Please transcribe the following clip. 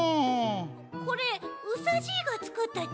これうさじいがつくったち？